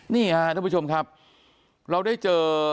นี่ค่ะท่านผู้ชมครับเราได้เจอ